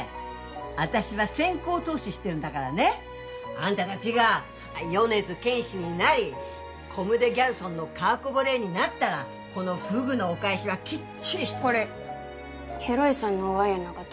私は先行投資してるんだからねあんた達が米津玄師になりコム・デ・ギャルソンの川久保玲になったらこのフグのお返しはきっちりこれ博さんのお祝いやなかと？